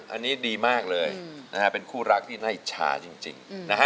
อันนี้ดีมากเลยเป็นคู่รักที่น่าอิจชาจริง